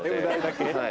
はい。